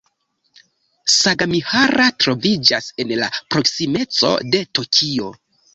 Sagamihara troviĝas en la proksimeco de Tokio.